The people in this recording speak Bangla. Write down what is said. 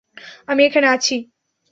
আমি এখানে আছি।